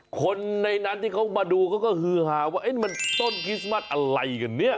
คนในนั้นที่เขามาดูเขาก็ฮือหาว่ามันต้นคริสต์มัสอะไรกันเนี่ย